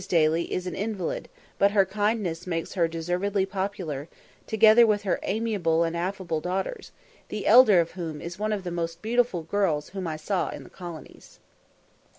Daly is an invalid, but her kindness makes her deservedly popular, together with her amiable and affable daughters, the elder of whom is one of the most beautiful girls whom I saw in the colonies.